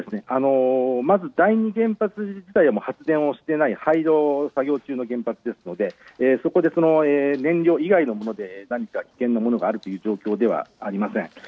まず、第二原発自体が発電をしていない廃炉作業中の原発ですのでそこで燃料以外のもので何か危険なものがあるという状況ではありません。